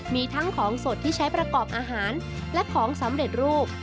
มีทั้งของสดที่ใช้ประกอบอาหารและของสำเร็จรูป